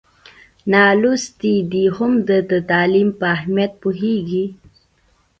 نالوستی دی خو د تعلیم په اهمیت پوهېږي.